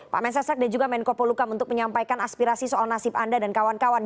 pak mensesnek dan juga menko polukam untuk menyampaikan aspirasi soal nasib anda dan kawan kawan